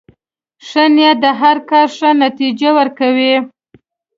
ښه نیت د هر کار ښه نتیجه ورکوي.